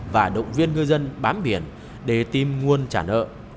và động viên ngư dân bám biển để tìm nguồn trả nợ